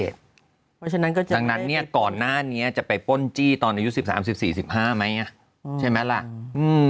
ดังนั้นก่อนหน้านี้จะไปปล้นจี้ตอนอายุ๑๓๑๕หรืออย่างนี้